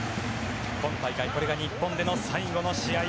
今大会、これが日本での最後の試合。